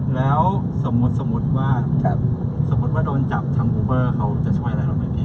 แล้วสมมุติว่าสมมุติว่าโดนจับทางบูเวอร์เขาจะช่วยอะไรเราไหมพี่